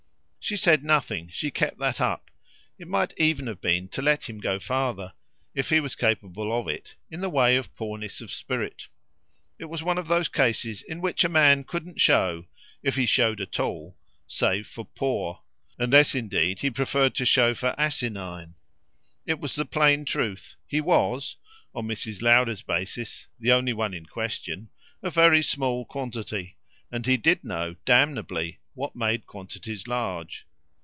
She said nothing she kept that up; it might even have been to let him go further, if he was capable of it, in the way of poorness of spirit. It was one of those cases in which a man couldn't show, if he showed at all, save for poor; unless indeed he preferred to show for asinine. It was the plain truth: he WAS on Mrs. Lowder's basis, the only one in question a very small quantity, and he did know, damnably, what made quantities large.